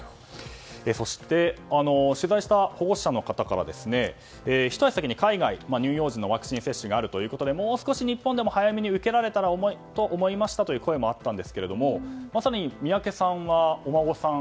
そして取材した保護者の方からひと足先に海外、乳幼児のワクチン接種があるということでもう少し日本でも早めに受けられたらと思いましたという声もあったんですがまさに宮家さんはお孫さん